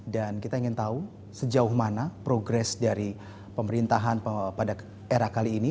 dan kita ingin tahu sejauh mana progres dari pemerintahan pada era kali ini